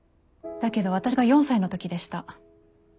だけど私が４歳の時でした。